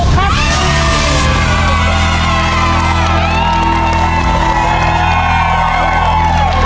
พูดครับ